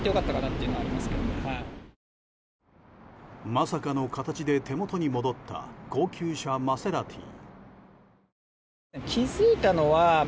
まさかの形で手元に戻った高級車マセラティ。